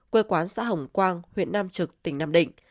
quê quán xã hồng quang huyện nam trực tỉnh nam định